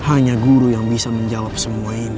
hanya guru yang bisa menjawab semua ini